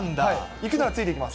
行くならついていきます。